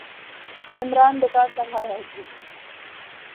عمران بیکار تنگ آیا اوٹھی